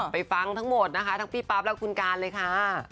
ฟังทั้งหมดนะคะทั้งพี่ปั๊บและคุณการเลยค่ะ